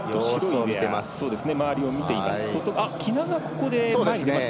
周りを見ています。